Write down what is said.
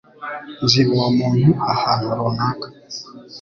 Nzi uwo muntu ahantu runaka.